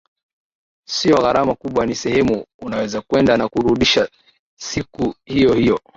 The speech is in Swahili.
sio gharama kubwa ni sehemu unaweza kwenda na kurudi siku hiyo hiyo